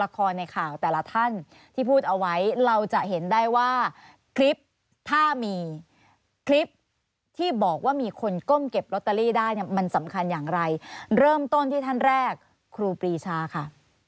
คลิปที่บอกว่ามีคนก้มเก็บลอตเตอรี่ได้มันสำคัญอย่างไรเริ่มต้นที่ท่านแรกครูปรีชาค่ะ